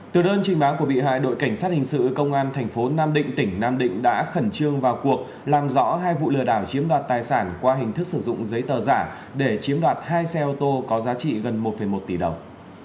từ đơn trình báo của bị hại đội cảnh sát hình sự công an thành phố nam định tỉnh nam định đã khẩn trương vào cuộc làm rõ hai vụ lừa đảo chiếm đoạt tài sản qua hình thức sử dụng giấy tờ giả để chiếm đoạt hai xe ô tô có giá trị gần một một tỷ đồng